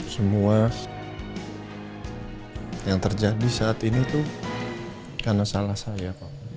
semua yang terjadi saat ini tuh karena salah saya pak